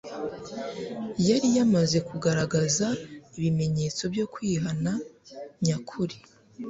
yari yamaze kugaragaza ibimenyetso byo kwihana nyakuri.